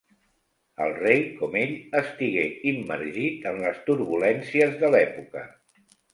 El rei, com ell, estigué immergit en les turbulències de l'època.